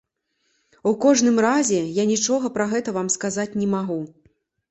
У кожным разе, я нічога пра гэта вам сказаць не магу.